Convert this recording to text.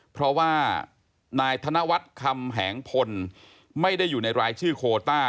เพราะว่านายธนวัฒน์คำแหงพลไม่ได้อยู่ในรายชื่อโคต้า